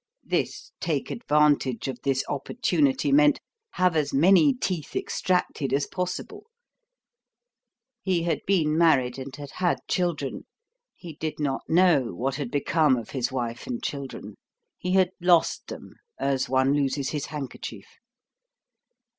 This Take advantage of this opportunity meant: Have as many teeth extracted as possible. He had been married and had had children. He did not know what had become of his wife and children. He had lost them as one loses his handkerchief.